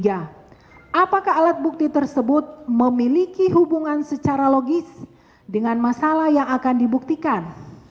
apakah alat bukti tersebut memiliki hubungan secara logis dengan masalah yang akan dibuktikan